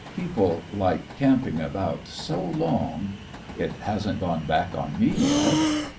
People like camping about so long " "It hasn't gone back on me yet."